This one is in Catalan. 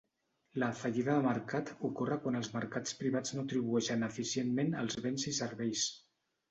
La "fallida de marcat" ocorre quan els mercats privats no atribueixen eficientment els béns i serveis.